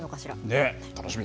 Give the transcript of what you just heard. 楽しみ。